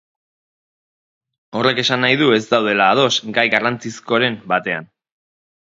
Horrek esan nahi du ez daudela ados gai garrantzizkoren batean.